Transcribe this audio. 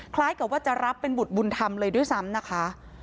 คล้ายกับว่าจะรับเป็นบุตรบุญธรรมเลยด้วยซ้ำนะคะ